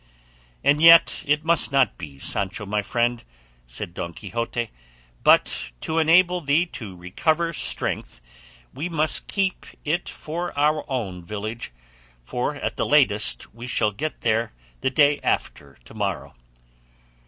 "And yet it must not be, Sancho my friend," said Don Quixote; "but, to enable thee to recover strength, we must keep it for our own village; for at the latest we shall get there the day after to morrow."